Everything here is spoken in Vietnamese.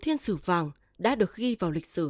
thiên sử vàng đã được ghi vào lịch sử